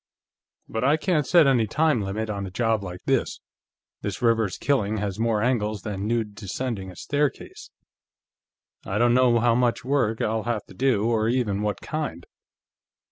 But I can't set any time limit on a job like this. This Rivers killing has more angles than Nude Descending a Staircase; I don't know how much work I'll have to do, or even what kind."